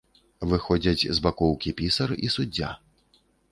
Выходзяць з бакоўкі пісар і суддзя.